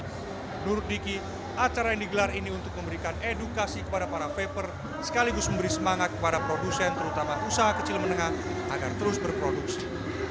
menurut diki acara yang digelar ini untuk memberikan edukasi kepada para vaper sekaligus memberi semangat kepada produsen terutama usaha kecil menengah agar terus berproduksi